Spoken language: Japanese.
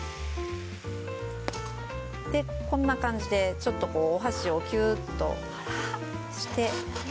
でこんな感じでちょっとお箸をキューッとして。